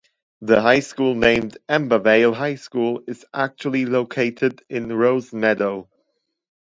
The High School named Ambarvale High School is actually located in Rosemeadow.